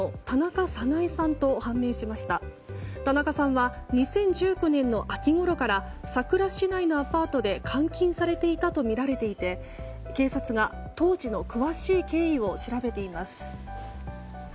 田中さんは２０１９年の秋ごろからさくら市内のアパートで監禁されていたとみられていて警察が当時の詳しい経緯を調べています。